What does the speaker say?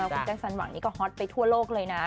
คุณแจ๊คสันหวังนี่ก็ฮอตไปทั่วโลกเลยนะ